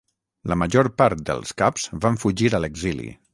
La major part dels caps van fugir a l'exili.